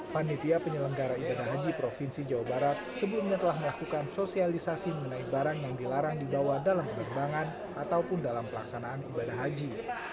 panitia penyelenggara ibadah haji provinsi jawa barat sebelumnya telah melakukan sosialisasi mengenai barang yang dilarang dibawa dalam penerbangan ataupun dalam pelaksanaan ibadah haji